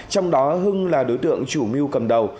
trong đó hưng là đối tượng chủ mưu cầm đầu